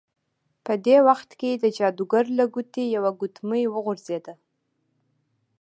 په دې وخت کې د جادوګر له ګوتې یوه ګوتمۍ وغورځیده.